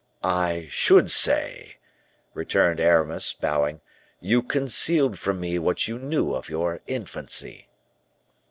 "I should say," returned Aramis, bowing, "you concealed from me what you knew of your infancy."